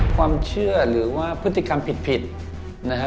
ความเชื่อหรือว่าพฤติกรรมผิดนะครับ